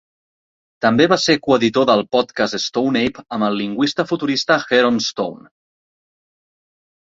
També va ser coeditor del Podcast Stone Ape amb el lingüista futurista Heron Stone.